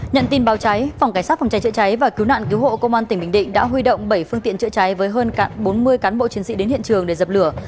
nhận tin báo cháy phòng cảnh sát phòng cháy chữa cháy và cứu nạn cứu hộ công an tỉnh bình định đã huy động bảy phương tiện chữa cháy với hơn bốn mươi cán bộ chiến sĩ đến hiện trường để dập lửa